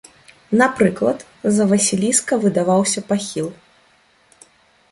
Напрыклад, за васіліска выдаваўся пахіл.